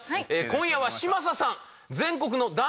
今夜は嶋佐さん。